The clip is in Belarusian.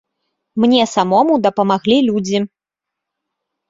Мне самому дапамаглі людзі.